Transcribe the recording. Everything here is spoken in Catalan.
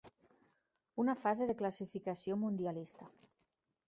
Una fase de classificació mundialista.